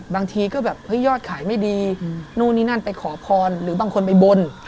บางทีก็แบบเฮ้ยยอดขายไม่ดีนู่นนี่นั่นไปขอพรหรือบางคนไปบน